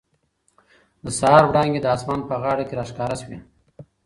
د سهار وړانګې د اسمان په غاړه کې را ښکاره شوې.